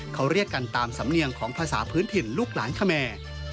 เขาเรียกกันตามสำเนียงของภาษาพื้นถิ่นลูกหลานคแมร์